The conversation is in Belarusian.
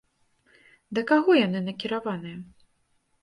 Да каго яны накіраваныя?